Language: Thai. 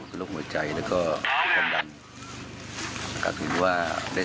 เพื่อทนตัวแล้วเข้าถึงรถหมาก็หัวไปเลย